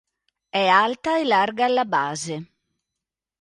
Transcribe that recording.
È alta e larga alla base.